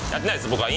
僕は。